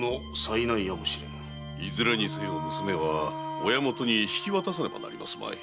いずれにせよ娘は親もとに引き渡さねばなりますまい。